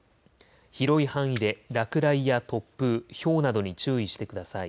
広い範囲で落雷や突風、ひょうなどに注意してください。